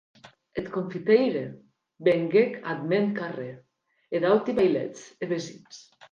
Eth confiteire venguec ath mèn darrèr, e d'auti vailets e vesins.